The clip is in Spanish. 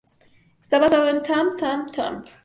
Está basado en "Tramp!, Tramp!, Tramp!